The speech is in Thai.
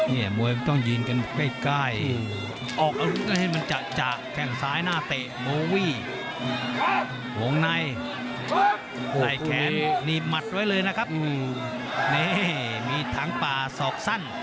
หมวยต้องยืนกันใกล้